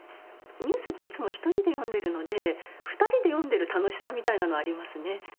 ニュースっていつも１人で読んでるので２人で読んでる楽しさみたいなのはありますね。